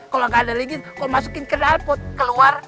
kalau enggak ada lingis kau masukin ke dalpot keluar